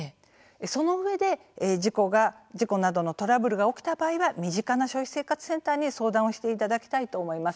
そのうえで、事故などのトラブルが起きた場合は身近な消費生活センターに相談をしていただきたいと思います。